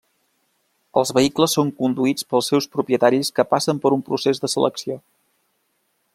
Els vehicles són conduïts pels seus propietaris que passen per un procés de selecció.